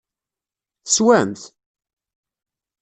Teswam-t?